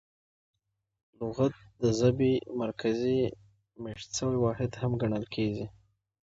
لغت د ژبي مرکزي مېشت سوی واحد هم ګڼل کیږي.